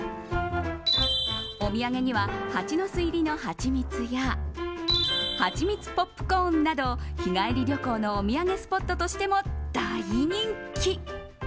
お土産には蜂の巣入りのハチミツやハチミツポップコーンなど日帰り旅行のお土産スポットとしても大人気。